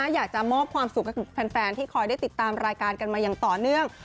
อยากจะมอบความสุขกับแฟนที่คอยได้ติดตามรายการกันมาอย่างต่อเนื่อง